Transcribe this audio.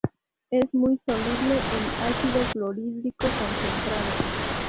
Es muy soluble en ácido clorhídrico concentrado.